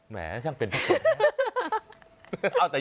แหมช่างเป็นทักษะแพ้